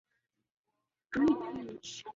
由贡生援例候选知州。